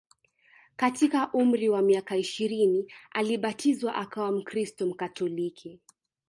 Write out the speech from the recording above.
Katika umri wa miaka ishirini alibatizwa akawa mkristo Mkatoliki